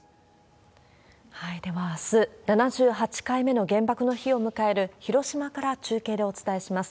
では、あす７８回目の原爆の日を迎える広島から中継でお伝えします。